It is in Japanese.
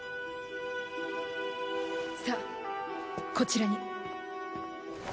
さぁこちらに。